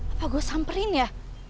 apa gue samperin ya